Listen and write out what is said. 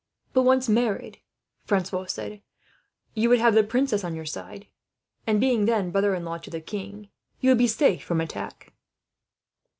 "But once married," Francois said, "you would have the princess on your side, and being then brother in law to the king, you would be safe from attack."